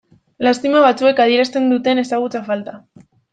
Lastima batzuek adierazten duten ezagutza falta.